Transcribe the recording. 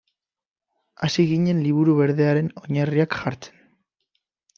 Hasi ginen Liburu Berdearen oinarriak jartzen.